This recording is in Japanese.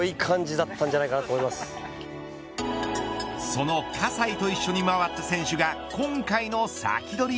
その葛西と一緒に回った選手が今回のサキドリ！